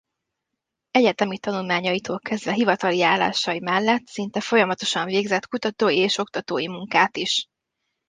Egyetemi tanulmányaitól kezdve hivatali állásai mellett szinte folyamatosan végzett kutatói és oktatói munkát is.